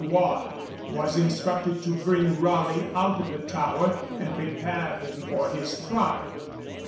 Waad was instructed to bring Raleigh out of the Tower, and prepare him for his trial.